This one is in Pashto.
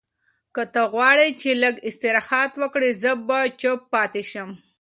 که ته غواړې چې لږ استراحت وکړې، زه به چپ پاتې شم.